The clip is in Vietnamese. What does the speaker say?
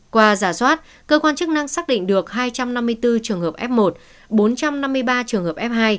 qua giả soát cơ quan chức năng xác định được hai trăm năm mươi bốn trường hợp f một bốn trăm năm mươi ba trường hợp f hai